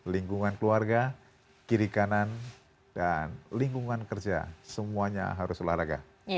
lingkungan keluarga kiri kanan dan lingkungan kerja semuanya harus olahraga